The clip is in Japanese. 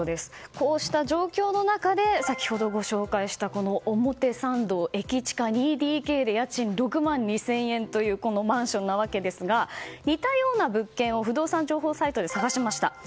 こうした状況の中で先ほどご紹介したこの表参道駅近２ＤＫで家賃６万２０００円というこのマンションなわけですが似たような物件を不動産情報サイトで探しました。